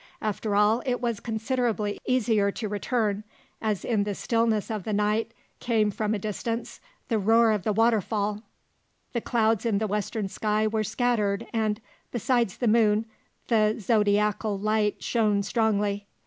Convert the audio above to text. After all it was considerably easier to return, as in the stillness of the night came from a distance the roar of the waterfall; the clouds in the western sky were scattered and, besides the moon, the zodiacal light shone strongly.